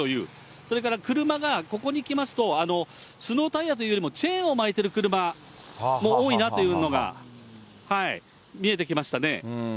それから車がここに来ますと、スノータイヤというよりも、チェーンを巻いてる車も多いなというのが、見えてきましたね。